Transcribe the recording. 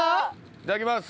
いただきます